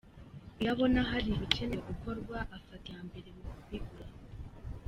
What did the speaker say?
Iyo abona hari ibikenewe gukorwa afata iya mbere mu kubikora.